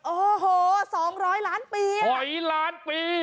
โอ้โห๒๐๐ล้านปีหอยล้านปี